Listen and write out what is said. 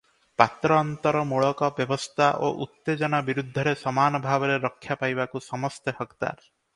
ପାତ୍ରଅନ୍ତରମୂଳକ ବ୍ୟବସ୍ଥା ଓ ଉତ୍ତେଜନା ବିରୁଦ୍ଧରେ ସମାନ ଭାବରେ ରକ୍ଷା ପାଇବାକୁ ସମସ୍ତେ ହକଦାର ।